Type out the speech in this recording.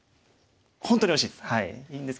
本当に惜しいです。